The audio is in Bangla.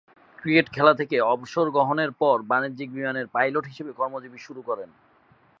ক্রিকেট খেলা থেকে অবসর গ্রহণের পর বাণিজ্যিক বিমানের পাইলট হিসেবে কর্মজীবন শুরু করেন।